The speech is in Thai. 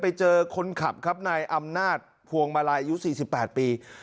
ไปเจอคนขับครับนายอำนาจพวงมาลัยอายุ๔๘ปี